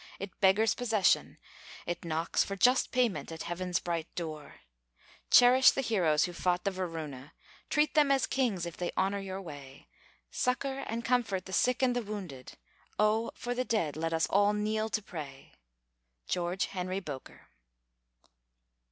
It beggars possession, It knocks for just payment at heaven's bright door! Cherish the heroes who fought the Varuna; Treat them as kings if they honor your way; Succor and comfort the sick and the wounded; Oh! for the dead let us all kneel to pray! GEORGE HENRY BOKER.